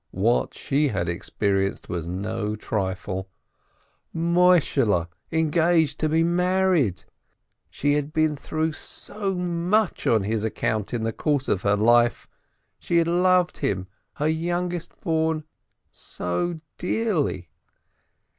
What she had experienced was no trifle. Moishehle engaged to be married ! She had been through so much on his account in the course of her life, she had loved him, her youngest born, so dearly!